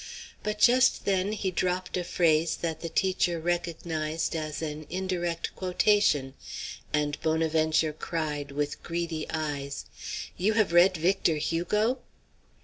But just then he dropped a phrase that the teacher recognized as an indirect quotation, and Bonaventure cried, with greedy eyes: "You have read Victor Hugo?"